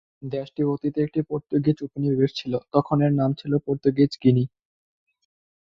দেশটি অতীতে একটি পর্তুগিজ উপনিবেশ ছিল; তখন এর নাম ছিল পর্তুগিজ গিনি।